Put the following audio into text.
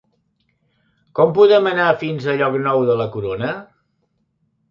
Com podem anar fins a Llocnou de la Corona?